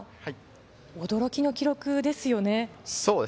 驚きの記録ですよね。